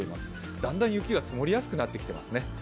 だんだん雪が積もりやすくなってきてますね。